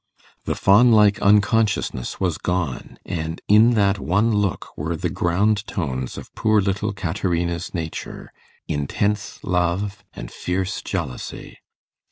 The fawn like unconsciousness was gone, and in that one look were the ground tones of poor little Caterina's nature intense love and fierce jealousy.